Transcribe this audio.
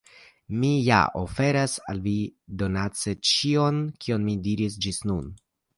Mi ja oferas al vi donace ĉion, kion mi diris ĝis nun.